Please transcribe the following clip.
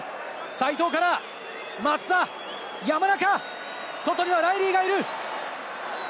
齋藤から松田、山中、外にはライリーがいる。